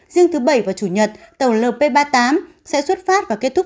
riêng thứ bảy và chủ nhật tàu lp ba mươi tám sẽ xuất phát và kết thúc